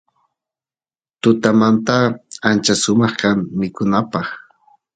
tutamanta ancha sumaq kan mikunapaq